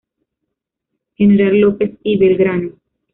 General López y Belgrano.